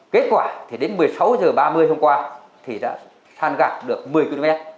kết quả thì đến một mươi sáu h ba mươi hôm qua thì đã than gạt được một mươi km